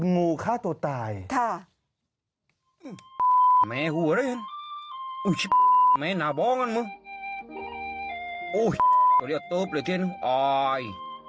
งูฆ่าตัวตายค่ะงูฆ่าตัวตาย